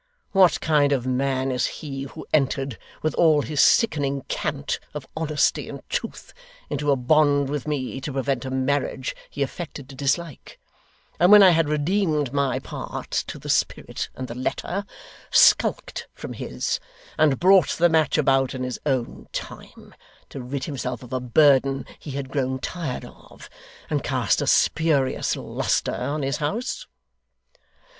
What kind of man is he who entered, with all his sickening cant of honesty and truth, into a bond with me to prevent a marriage he affected to dislike, and when I had redeemed my part to the spirit and the letter, skulked from his, and brought the match about in his own time, to rid himself of a burden he had grown tired of, and cast a spurious lustre on his house?